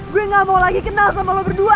gue gak mau lagi kenal sama lo berdua